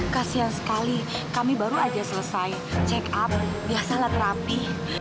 kasian sekali kami baru aja selesai check up biasalah terapi